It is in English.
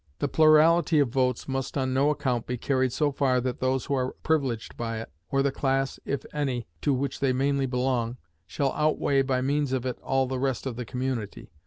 The plurality of votes must on no account be carried so far that those who are privileged by it, or the class (if any) to which they mainly belong, shall outweigh by means of it all the rest of the community.